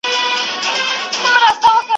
چي هر پردی راغلی دی زړه شینی دی وتلی